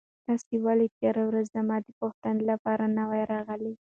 تاسو ولې تېره ورځ زما د پوښتنې لپاره نه وئ راغلي؟